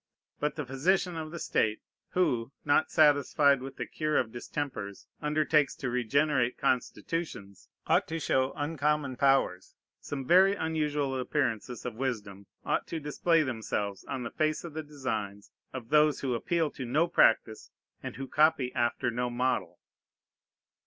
But the physician of the state, who, not satisfied with the cure of distempers, undertakes to regenerate constitutions, ought to show uncommon powers. Some very unusual appearances of wisdom ought to display themselves on the face of the designs of those who appeal to no practice and who copy after no model.